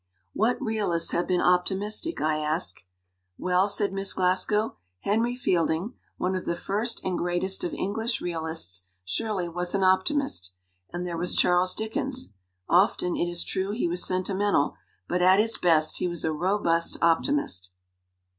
"What realists have been optimistic?" I asked. "Well," said Miss Glasgow, "Henry Fielding, one of the first and greatest of English realists, surely was an optimist. And there was Charles Dickens often, it is true, he was sentimental, but at his best he was a robust optimist.